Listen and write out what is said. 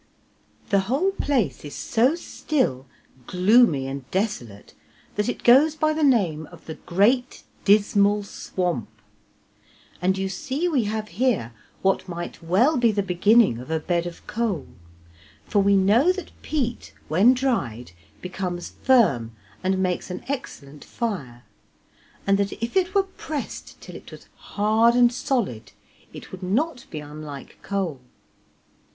The whole place is so still, gloomy, and desolate, that it goes by the name of the "Great Dismal Swamp," and you see we have here what might well be the beginning of a bed of coal; for we know that peat when dried becomes firm and makes an excellent fire, and that if it were pressed till it was hard and solid it would not be unlike coal.